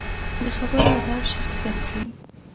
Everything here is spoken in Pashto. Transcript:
د خبرو ادب شخصیت ښيي